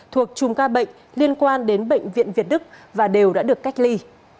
thuộc chùm ca bệnh liên quan đến bệnh viện việt đức và đều đã được cách ly